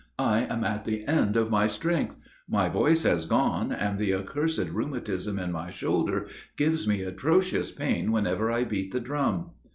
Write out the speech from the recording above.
"I am at the end of my strength. My voice has gone and the accursed rheumatism in my shoulder gives me atrocious pain whenever I beat the drum."